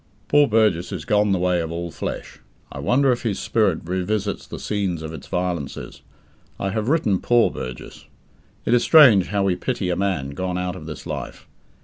Poor Burgess is gone the way of all flesh. I wonder if his spirit revisits the scenes of its violences? I have written "poor" Burgess. It is strange how we pity a man gone out of this life.